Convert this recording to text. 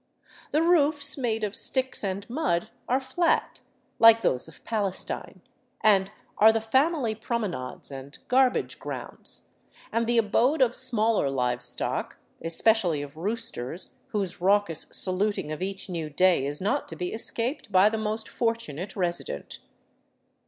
The roofs, made of sticks and mud, are flat, like those of Palestine, and are the family prome nades and garbage grounds, and the abode of smaller live stock, espe cially of roosters, whose raucous saluting of each new day is not to be escaped by the most fortunate resident.